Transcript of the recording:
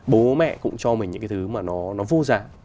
bố mẹ cũng cho mình những cái thứ mà nó vô giá